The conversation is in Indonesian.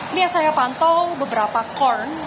ini yang saya pantau beberapa corn